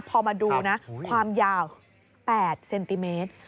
พอมาดูนะความยาว๘เซนติเมตร